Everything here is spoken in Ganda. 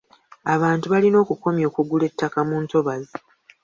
Abantu balina okukomya okugula ettaka mu ntobazi.